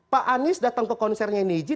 pak anies datang ke konsernya neji